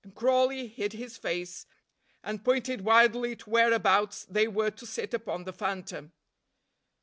And Crawley hid his face, and pointed wildly to whereabouts they were to sit upon the phantom.